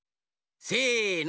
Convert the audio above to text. せの。